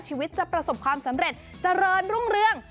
ชีวิตจะประสบความสำเร็จเจริญรุ่งเรื่อง